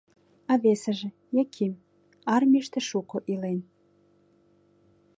А весыже — Яким, армийыште шуко илен.